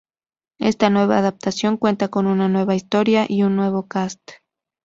Esta nueva adaptación cuenta con una nueva historia y un nuevo cast.